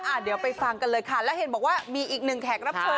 เดี๋ยวไปฟังกันเลยค่ะแล้วเห็นบอกว่ามีอีกหนึ่งแขกรับเชิญ